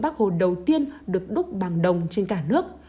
bác hồ đầu tiên được đúc bằng đồng trên cả nước